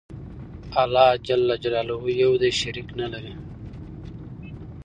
الله ج يو دى شريک نلري